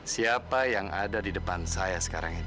siapa yang ada di depan saya sekarang ini